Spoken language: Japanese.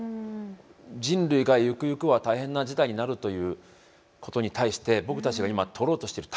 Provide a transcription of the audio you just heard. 人類がゆくゆくは大変な事態になるということに対して僕たちが今取ろうとしている対処はこれは間に合うんでしょうか？